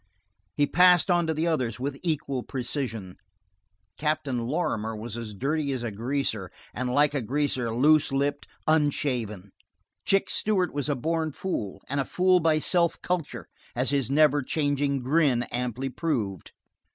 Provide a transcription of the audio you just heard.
He passed on to the others with equal precision. Captain Lorrimer was as dirty as a greaser; and like a greaser, loose lipped, unshaven. Chick Stewart was a born fool, and a fool by self culture, as his never changing grin amply proved.